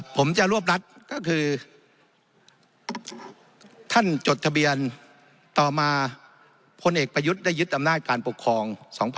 ผมจะรวบรัฐก็คือท่านจดทะเบียนต่อมาพลเอกประยุทธ์ได้ยึดอำนาจการปกครอง๒๕๖๒